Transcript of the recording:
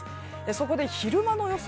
そこで昼間の予想